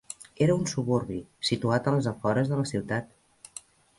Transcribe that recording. Era un suburbi, situat a les afores de la ciutat.